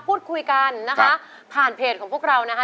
พูดคุยกันนะคะผ่านเพจของพวกเรานะคะ